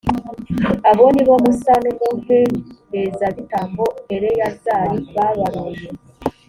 abo ni bo musa n’umuherezabitambo eleyazari babaruye.